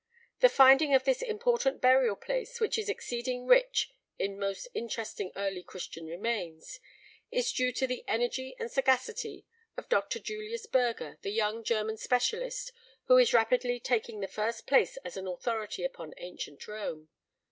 The finding of this important burial place, which is exceeding rich in most interesting early Christian remains, is due to the energy and sagacity of Dr. Julius Burger, the young German specialist, who is rapidly taking the first place as an authority upon ancient Rome.